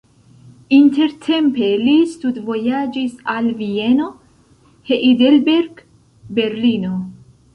Intertempe li studvojaĝis al Vieno, Heidelberg, Berlino.